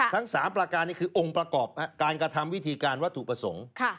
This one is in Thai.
ทั้ง๓ประการนี้คือองค์ประกอบการกระทำวิธีการวัตถุประสงค์